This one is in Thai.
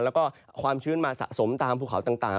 แล้วก็ความชื้นมาสะสมตามภูเขาต่าง